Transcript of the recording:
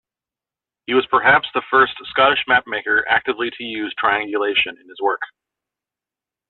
He was perhaps the first Scottish map-maker actively to use triangulation in his work.